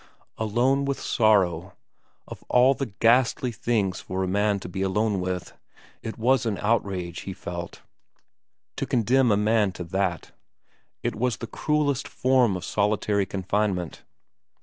Alone with sorrow, of all ghastly things for a man to be alone with ! It was an outrage, he felt, to condemn a man to that ; it was the cruellest form of solitary confinement.